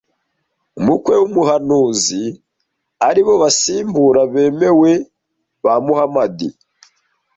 (umukwe w’umuhanuzi), ari bo basimbura bemewe ba Muhamadi